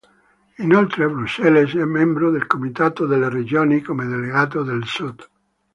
Inoltre a Bruxelles è membro del Comitato delle Regioni come delegato del Sud.